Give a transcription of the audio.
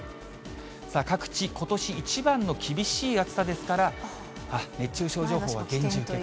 さあ、各地、ことし一番の厳しい暑さですから、熱中症情報は厳重という。